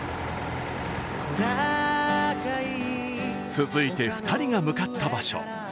続いて、２人が向かった場所。